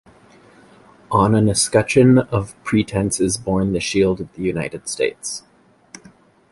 On an escutcheon of pretence is borne the shield of the United States.